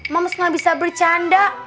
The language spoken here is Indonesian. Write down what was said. moms gak bisa bercanda